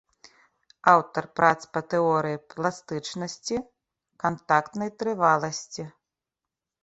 Аўтар прац па тэорыі пластычнасці, кантактнай трываласці.